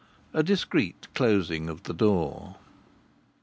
A discreet closing of the door.